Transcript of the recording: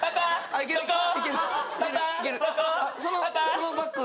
そのバッグ